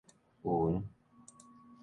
勻